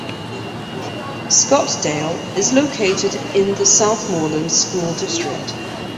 Scottdale is located in the Southmoreland School District.